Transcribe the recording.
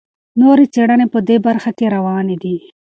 نورې څېړنې په دې برخه کې روانې دي.